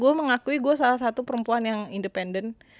gue mengakui gue salah satu perempuan yang independen